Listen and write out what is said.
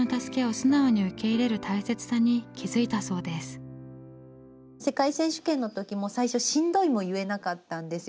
この時世界選手権の時も最初「しんどい」も言えなかったんですよね。